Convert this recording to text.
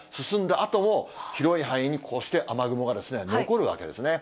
あとも、広い範囲にこうして雨雲が残るわけですね。